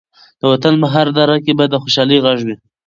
د وطن په هره دره کې به د خوشحالۍ غږ وي.